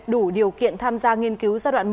đủ điều kiện tham gia nghiên cứu giai đoạn một